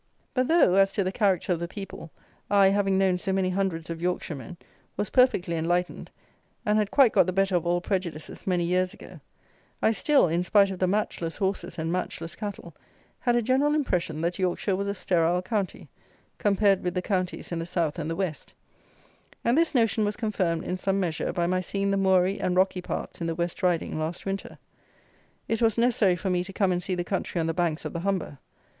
But though, as to the character of the people, I, having known so many hundreds of Yorkshiremen, was perfectly enlightened, and had quite got the better of all prejudices many years ago, I still, in spite of the matchless horses and matchless cattle, had a general impression that Yorkshire was a sterile county, compared with the counties in the south and the west; and this notion was confirmed in some measure by my seeing the moory and rocky parts in the West Riding last winter. It was necessary for me to come and see the country on the banks of the Humber.